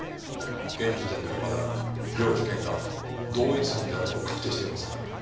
現時点ではまだ両事件が同一犯であると確定していません。